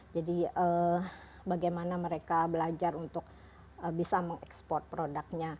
jadi bagaimana mereka belajar untuk bisa mengekspor produk